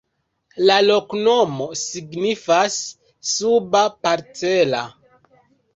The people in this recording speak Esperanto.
La loknomo signifas: suba-parcela.